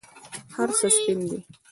هرڅه سپین دي